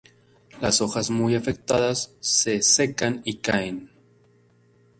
Las hojas muy afectadas se secan y caen.